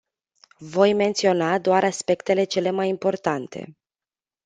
Voi menționa doar aspectele cele mai importante.